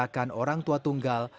bahkan orang tua tunggal